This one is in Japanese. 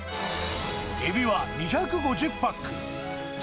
エビは２５０パック。